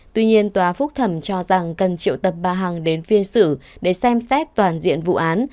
tuy nhiên tòa phúc thẩm cho rằng cần triệu tập bà hằng đến phiên xử để xem xét toàn diện vụ án